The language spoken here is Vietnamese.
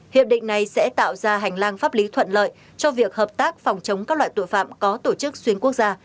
hiệp định này sẽ tạo ra hành lang pháp lý thuận lợi cho việc hợp tác phòng chống các loại tội phạm có tổ chức xuyên quốc gia